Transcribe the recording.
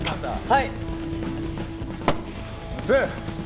はい。